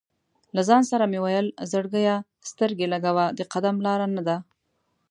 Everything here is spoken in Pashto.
له ځان سره مې ویل: "زړګیه سترګې لګوه، د قدم لاره نه ده".